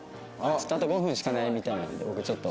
あと５分しかないみたいなんで僕ちょっと。